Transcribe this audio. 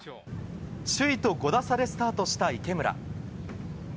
首位と５打差でスタートした池村。